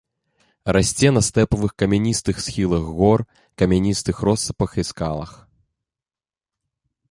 Расце на стэпавых камяністых схілах гор, камяністых россыпах і скалах.